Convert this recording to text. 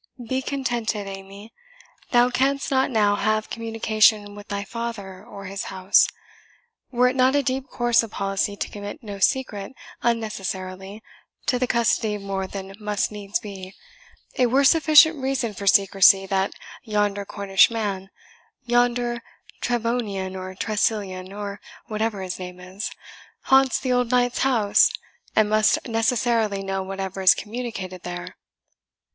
"Be contented, Amy; thou canst not now have communication with thy father or his house. Were it not a deep course of policy to commit no secret unnecessarily to the custody of more than must needs be, it were sufficient reason for secrecy that yonder Cornish man, yonder Trevanion, or Tressilian, or whatever his name is, haunts the old knight's house, and must necessarily know whatever is communicated there."